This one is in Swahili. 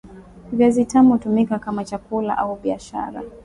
viazi vitamu hutumika kama chakula au biashara